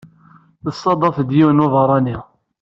Tessadef-d yiwen n ubeṛṛani.